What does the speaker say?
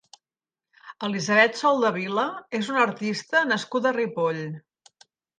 Elisabeth Soldevila és una artista nascuda a Ripoll.